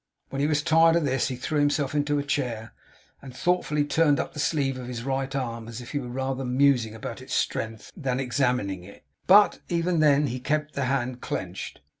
When he was tired of this, he threw himself into a chair, and thoughtfully turned up the sleeve of his right arm, as if he were rather musing about its strength than examining it; but, even then, he kept the hand clenched.